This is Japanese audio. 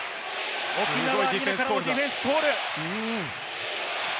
沖縄アリーナからのディフェンスコール。